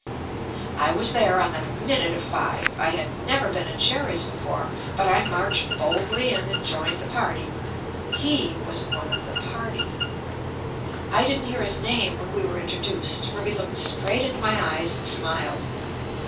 I was there on the minute of five, I had never been in Sherry's before, but I marched boldly in and joined the party, "he" was one of the party. I didn't hear his name when we were introduced, for he looked straight into my eyes and smiled.